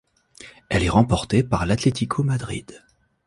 Elle est remportée par l'Atlético Madrid.